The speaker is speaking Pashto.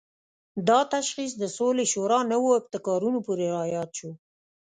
دا تشخیص د سولې شورا نوو ابتکارونو پورې راياد شو.